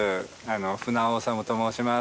船尾修と申します。